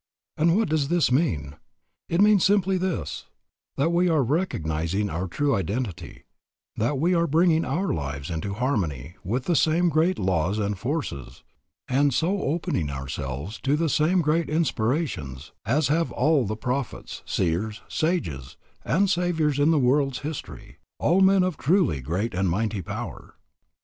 And what does this mean? It means simply this: that we are recognizing our true identity, that we are bringing our lives into harmony with the same great laws and forces, and so opening ourselves to the same great inspirations, as have all the prophets, seers, sages, and saviours in the world's history, all men of truly great and mighty power.